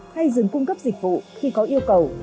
hay dừng cung cấp dịch vụ khi có yêu cầu